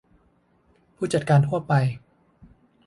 ผู้จัดการทั่วไป